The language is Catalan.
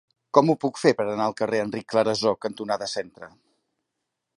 Com ho puc fer per anar al carrer Enric Clarasó cantonada Centre?